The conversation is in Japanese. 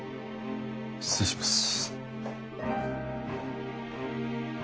失礼します。